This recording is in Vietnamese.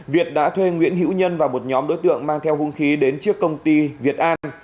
việt đã thuê nguyễn hữu nhân và một nhóm đối tượng mang theo hung khí đến trước công ty việt an